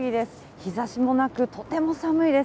日ざしもなく、とても寒いです。